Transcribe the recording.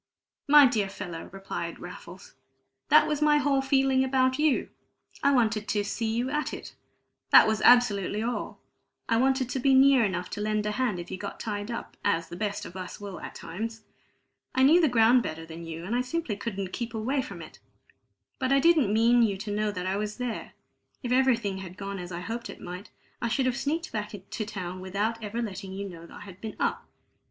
"My dear fellow," replied Raffles, "that was my whole feeling about you. I wanted to 'see you at it' that was absolutely all. I wanted to be near enough to lend a hand if you got tied up, as the best of us will at times. I knew the ground better than you, and I simply couldn't keep away from it. But I didn't mean you to know that I was there; if everything had gone as I hoped it might, I should have sneaked back to town without ever letting you know I had been up.